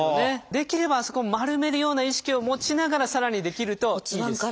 できればあそこは丸めるような意識を持ちながらさらにできるといいです。